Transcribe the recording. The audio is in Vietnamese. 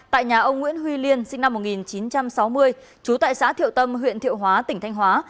tại nhà ông nguyễn huy liên sinh năm một nghìn chín trăm sáu mươi trú tại xã thiệu tâm huyện thiệu hóa tỉnh thanh hóa